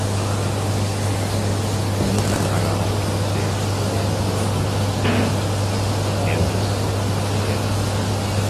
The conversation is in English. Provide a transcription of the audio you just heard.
Players are allowed to save their progress once every four races.